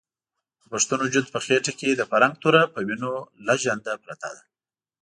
د پښتون وجود په خېټه کې د فرنګ توره په وینو لژنده پرته ده.